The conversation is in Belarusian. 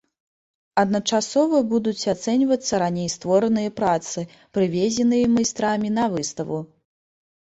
Адначасова будуць ацэньвацца раней створаныя працы, прывезеныя майстрамі на выставу.